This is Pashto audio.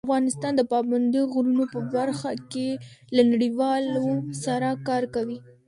افغانستان د پابندي غرونو په برخه کې له نړیوالو سره کار کوي.